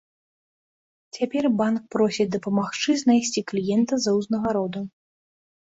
Цяпер банк просіць дапамагчы знайсці кліента за ўзнагароду.